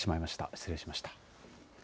失礼しました。